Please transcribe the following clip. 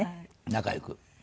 仲良く。